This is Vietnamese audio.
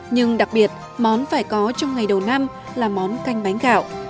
nhưng đặc biệt món phải có trong ngày đầu năm là món canh bánh gạo